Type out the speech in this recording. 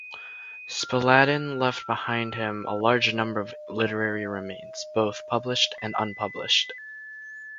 Spalatin left behind him a large number of literary remains, both published and unpublished.